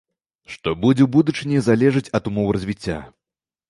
Што будзе ў будучыні, залежыць ад умоў развіцця.